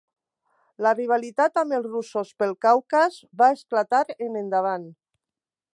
La rivalitat amb els russos pel Caucas va esclatar en endavant.